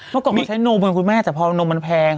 เมื่อก่อนมีใช้นมเหมือนคุณแม่แต่พอนมมันแพง